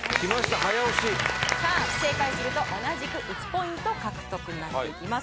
早押しさあ正解すると同じく１ポイント獲得になっていきます